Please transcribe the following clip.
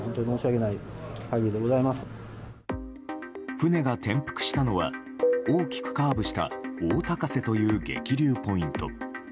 船が転覆したのは大きくカーブした大高瀬という激流ポイント。